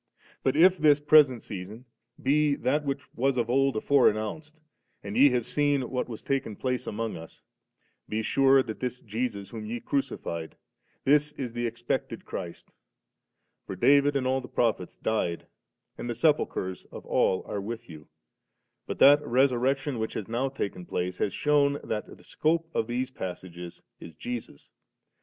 But if this present season be that which was of old afore announced, and ye have seen what has taken place among us, be sure that this Jesus, whom ye crucified, this is the expected Chiist For David and all the Prophets died, and the sepulchres of all are with you, but that Resurrection which has now taken place, has shewn that the scope of these passages is Jesus.